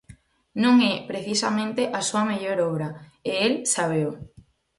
Non é, precisamente, a súa mellor obra, e el sábeo.